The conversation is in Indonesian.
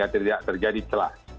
tidak terjadi telah